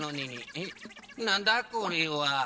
えなんだこれは。